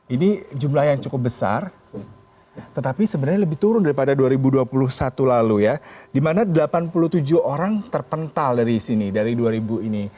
ini jumlah yang cukup besar tetapi sebenarnya lebih turun daripada dua ribu dua puluh satu lalu ya di mana delapan puluh tujuh orang terpental dari sini dari dua ribu ini